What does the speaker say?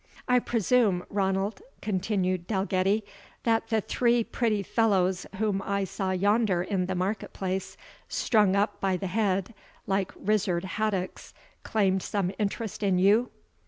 "I presume, Ranald," continued Dalgetty, "that the three pretty fellows whom I saw yonder in the market place, strung up by the head like rizzer'd haddocks, claimed some interest in you?"